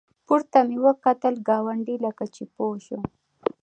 پورته مې وکتل، ګاونډي لکه چې پوه شو.